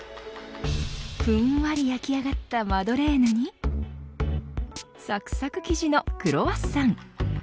ふんわり焼き上がったマドレーヌにサクサク生地のクロワッサン。